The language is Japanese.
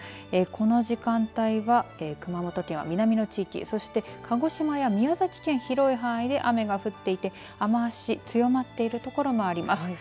この時間帯は熊本県は南の地域そして鹿児島や宮崎県広い範囲で雨が降っていて雨足強まっている所があります。